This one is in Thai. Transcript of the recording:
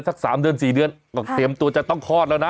สัก๓เดือน๔เดือนก็เตรียมตัวจะต้องคลอดแล้วนะ